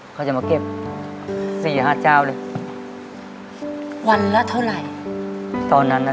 เขาจะมาเก็บสี่ห้าเจ้าเลยวันละเท่าไหร่ตอนนั้นน่ะ